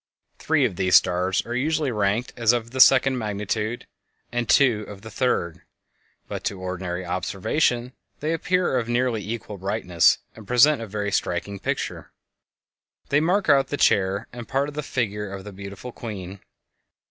Three of these stars are usually ranked as of the second magnitude, and two of the third; but to ordinary observation they appear of nearly equal brightness, and present a very striking picture. They mark out the chair and a part of the figure of the beautiful queen.